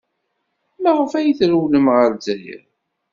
Maɣef ay trewlem ɣer Lezzayer?